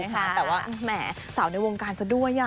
แต่ว่าแหมสาวในวงการซะด้วย